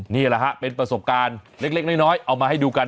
นี่แหละฮะเป็นประสบการณ์เล็กน้อยเอามาให้ดูกัน